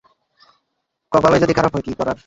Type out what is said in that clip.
কপালই যদি খারাপ হয়, কী করার!